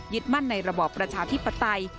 มั่นในระบอบประชาธิปไตย